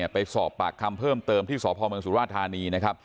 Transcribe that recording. ไปสอบปากคำเพิ่มเติมที่สพมสุรวาธานี